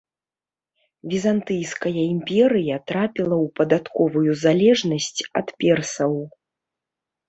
Візантыйская імперыя трапіла ў падатковую залежнасць ад персаў.